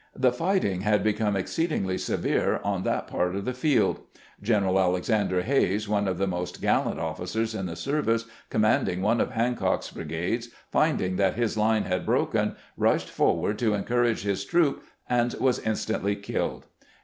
The fighting had become exceedingly severe on that part of the field. G eneral Alexander Hays, one of the most gallant officers in the service, commanding one of Hancock's brigades, finding that his line had broken, rushed forward to encourage his troops, and was instantly killed.